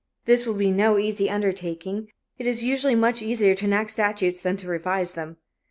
This will be no easy undertaking; it is usually much easier to enact statutes than to revise them.